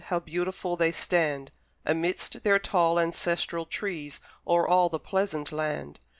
How beautiful they stand, Amidst their tall ancestral trees, O'er all the pleasant land!